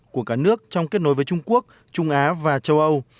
của cả nước trong kết nối với trung quốc trung á và châu âu